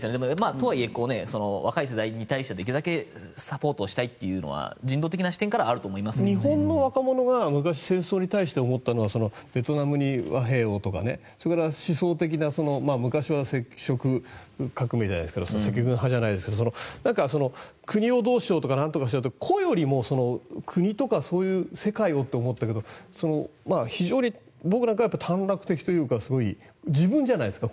とはいえ若い世代に対してできるだけサポートしたいというのは人道的な視点からは日本の若者が昔、戦争に対して思ったのはベトナムに和平をとかそれから思想的な昔は赤色革命じゃないですけど赤軍派じゃないですが国をどうしようとかなんとかよりも個よりも国とか世界をって思ったけど非常に僕なんかは短絡的というか自分じゃないですか。